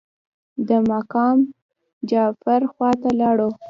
د مقام جعفر خواته لاړو.